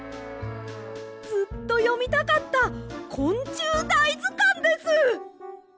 ずっとよみたかった「こんちゅうだいずかん」です！